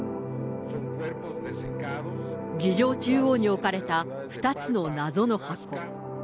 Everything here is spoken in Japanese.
議場中央に置かれた２つの謎の箱。